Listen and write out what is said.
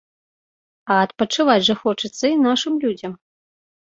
А адпачываць жа хочацца і нашым людзям.